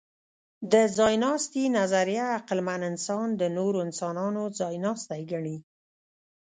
د ځایناستي نظریه عقلمن انسان د نورو انسانانو ځایناستی ګڼي.